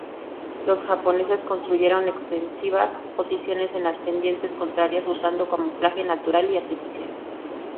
Los japoneses construyeron extensivas posiciones en las pendientes contrarias usando camuflaje natural y artificial.